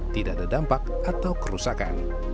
tidak ada dampak atau kerusakan